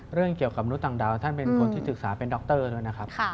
เรื่องเกี่ยวกับมนุษย์ต่างดาวท่านเป็นคนที่ศึกษาเป็นดรด้วยนะครับ